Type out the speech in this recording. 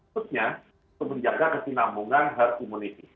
khususnya untuk menjaga kesinambungan herd immunity